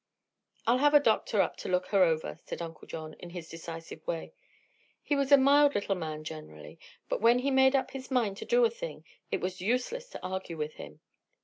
"I'll have a doctor up to look her over," said Uncle John, in his decisive way. He was a mild little man generally, but when he made up his mind to do a thing it was useless to argue with him.